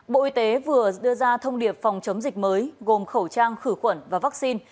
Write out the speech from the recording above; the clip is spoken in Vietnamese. bộ y tế vừa đưa ra thông điệp phòng chống dịch mới gồm khẩu trang khử khuẩn và vaccine